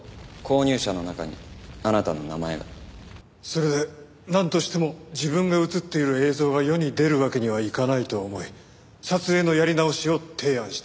それでなんとしても自分が映っている映像が世に出るわけにはいかないと思い撮影のやり直しを提案した。